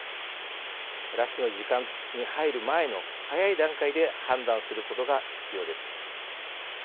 ラッシュの時間に入る前の早い段階で判断することが必要です。